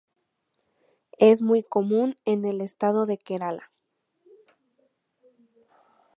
Es muy común en el estado de Kerala.